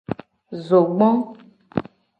Zogbo.